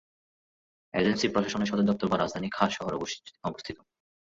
Agency প্রশাসনের সদর দপ্তর বা রাজধানী খার শহরে অবস্থিত।